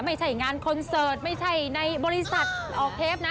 ไม่ใช่งานคอนเสิร์ตไม่ใช่ในบริษัทออกเทปนะ